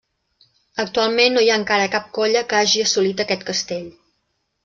Actualment no hi ha encara cap colla que hagi assolit aquest castell.